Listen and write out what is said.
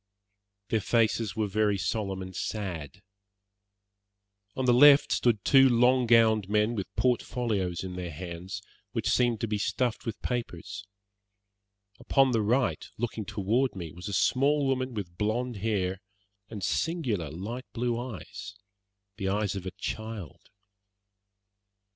Their faces were very solemn and sad. On the left stood two long gowned men with port folios in their hands, which seemed to be stuffed with papers. Upon the right, looking toward me, was a small woman with blonde hair and singular, light blue eyes the eyes of a child.